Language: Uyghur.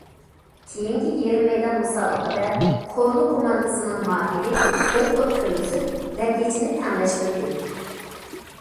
كېيىنكى يېرىم مەيدان مۇسابىقىدە كورلا كوماندىسىنىڭ ماھىرى بىر توپ كىرگۈزۈپ، نەتىجىنى تەڭلەشتۈردى.